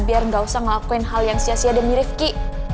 biar gak usah ngelakuin hal yang sia sia demi rifki